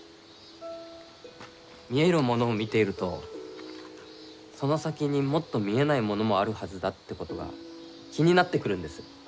見えるものを見ているとその先にもっと見えないものもあるはずだってことが気になってくるんです。